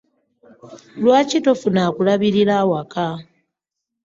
Lwaki tofuna akulabirira awaka?